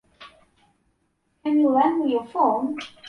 Can you lend me your phone?